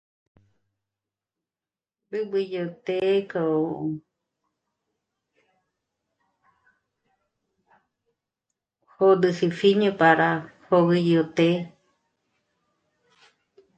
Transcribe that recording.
B'üb'ü yó të́'ë k'o pögüji pjíño para pjögü yó té